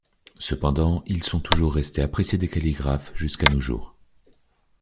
Cependant, ils sont toujours restés appréciés des calligraphes jusqu'à nos jours.